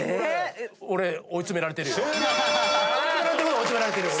俺追い詰められてるよ。